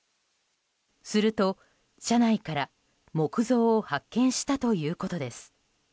すると、車内から木像を発見したということです。